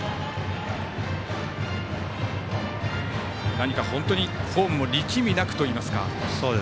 何か本当にフォームも力みなくといいますか。